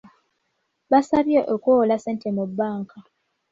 Baasabye okwewola ssente mu banka.